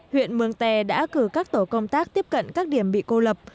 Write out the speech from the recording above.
huyện mường tè đã cử các tổ công tác tiếp cận các điểm bị cô lập